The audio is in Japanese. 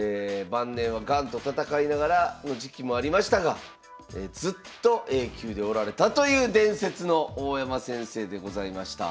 晩年はガンと闘いながらの時期もありましたがずっとＡ級でおられたという伝説の大山先生でございました。